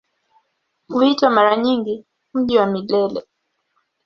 Huitwa mara nyingi "Mji wa Milele".